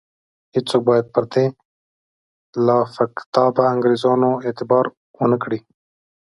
هیڅوک باید پر دې لافکتابه انګرېزانو اعتبار ونه کړي.